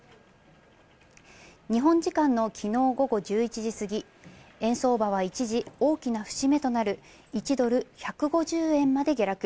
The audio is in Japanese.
日本時間のきのう午後１１時過ぎ、円相場は一時、大きな節目となる１ドル＝１５０円まで下落。